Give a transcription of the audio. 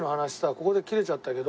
ここで切れちゃったけど。